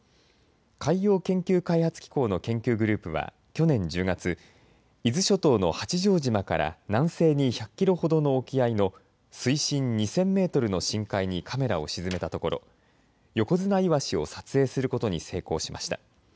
海洋研究開発機構の研究グループは去年１０月、伊豆諸島の八丈島から南西に１００キロほどの沖合の水深２０００メートルの深海にカメラを沈めたところヨコヅナイワシを撮影することに成功しました。